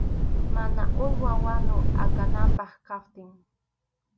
Mana uywa wanu akananpaq kaptin.